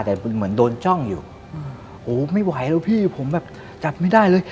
แต่เหมือนโดนจ้องอยู่โอ้ไม่ไหวแล้วพี่ผมแบบจับไม่ได้เลย